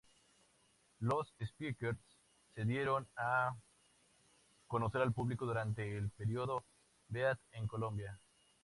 Los Speakers se dieron a conocer al público durante el periodo Beat en Colombia.